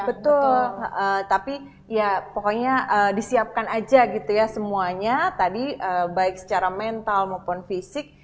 betul tapi ya pokoknya disiapkan aja gitu ya semuanya tadi baik secara mental maupun fisik